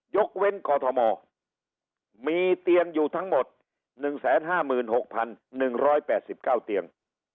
ยกเว้นมีเตียงอยู่ทั้งหมดหนึ่งแสนห้าหมื่นหกพันหนึ่งร้อยแปดสิบเก้าเตียง